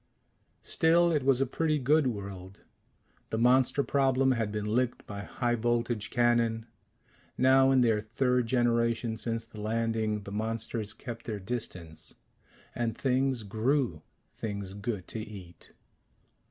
Still it was a pretty good world. The monster problem had been licked by high voltage cannon. Now in their third generation since the landing, the monsters kept their distance. And things grew things good to eat.